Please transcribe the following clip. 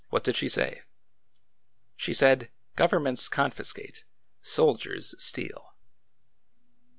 What did she say ?" She said, ' Governments confiscate ; soldiers steal.'